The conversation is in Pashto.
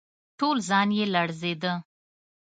ټول ځان يې لړزېده.